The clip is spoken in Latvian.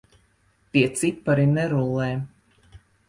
Tie cipari nerullē.